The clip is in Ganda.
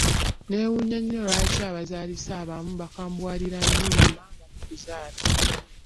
Neewuunya lwaki abazaalisa abamu bakambuwalira nnyo ba maama mu kuzaala.